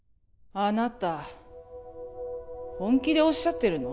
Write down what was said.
あなた本気でおっしゃってるの？